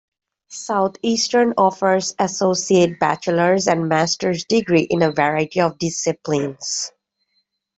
Southeastern offers associate, bachelor's, and master's degree in a variety of disciplines.